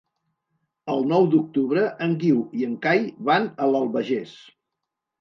El nou d'octubre en Guiu i en Cai van a l'Albagés.